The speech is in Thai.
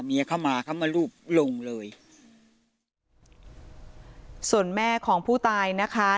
เมียเข้ามาเขามารูปลงเลยส่วนแม่ของผู้ตายนะคะ